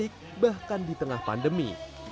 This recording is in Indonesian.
mudik bahkan di tengah pandemi